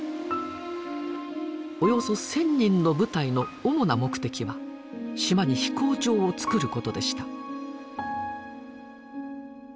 およそ１，０００人の部隊の主な目的は島に飛行場をつくることでした。